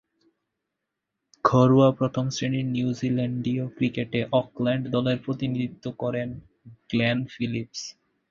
ঘরোয়া প্রথম-শ্রেণীর নিউজিল্যান্ডীয় ক্রিকেটে অকল্যান্ড দলের প্রতিনিধিত্ব করেন গ্লেন ফিলিপস।